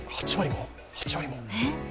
８割も？